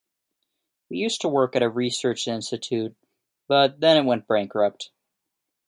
We used to work at a research institute, but then it went bankrupt.